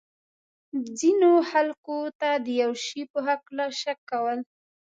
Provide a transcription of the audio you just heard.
ځینو خلکو ته د یو شي په هکله شک کول.